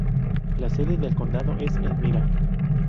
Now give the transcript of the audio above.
La sede del condado es Elmira.